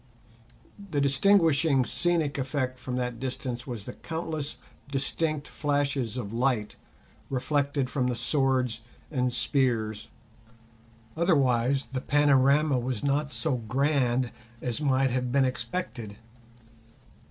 The distinguishing scenic effect from that distance was the countless distinct flashes of light reflected from the swords and spears, otherwise the panorama was not so grand as might have been expected.